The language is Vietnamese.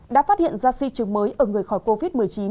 đã phát hiện ra si trường mới ở người khỏi covid một mươi chín